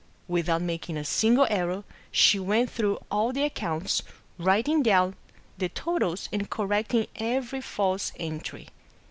Without making a single error, she went through all the ac counts, writing down the totals and correcting every false entry.